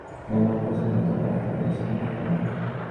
কেন, হঠাৎ সেজন্য তোমার এত বেশি আগ্রহ কেন।